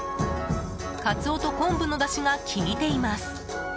カツオと昆布のダシが効いています。